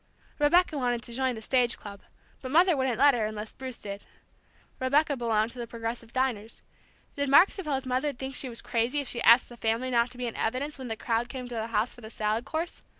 Rebecca wanted to join the Stage Club, but Mother wouldn't let her unless Bruce did. Rebecca belonged to the Progressive Diners. Did Mark suppose Mother'd think she was crazy if she asked the family not to be in evidence when the crowd came to the house for the salad course?